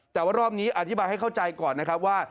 แต่ว่ารอบนี้อธิบายให้เข้าใจก่อนนะครับว่า